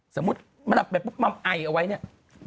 สมมุติมันนำไปปุ๊บมาไอเอาไว้เนี่ย